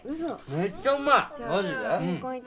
めっちゃうまい！